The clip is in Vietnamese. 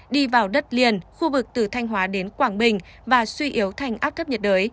đi vào đất liền khu vực từ thanh hóa đến quảng ngọc